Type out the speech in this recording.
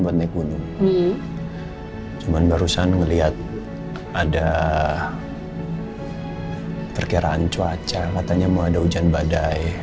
buat naik gunung cuman barusan ngelihat ada perkiraan cuaca katanya mau ada hujan badai